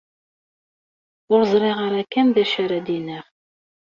Ur ẓriɣ ara kan d acu ara d-iniɣ.